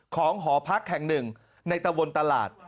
ของห่อพักแข่ง๑ในตะวนตลาด